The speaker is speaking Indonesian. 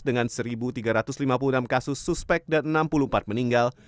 dengan satu tiga ratus lima puluh enam kasus suspek dan enam puluh empat meninggal